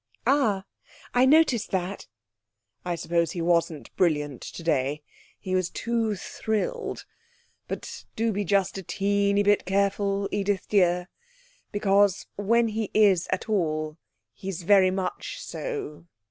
'Ah, I noticed that.' 'I suppose he wasn't brilliant today. He was too thrilled. But, do be just a teeny bit careful, Edith dear, because when he is at all he's very much so.